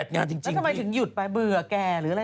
๗๘งานจริงแล้วทำไมถึงหยุดไปเบื่อแก่หรืออะไร